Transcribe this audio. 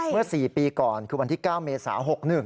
เมื่อ๔ปีก่อนคือวันที่๙เมษา๖๑